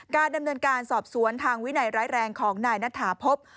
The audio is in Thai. การดำเนินการสอบสวนทางวินัยร้ายแรงของนายณฐาพบ